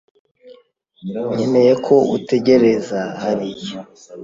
Nkeneye ko utegereza hariya.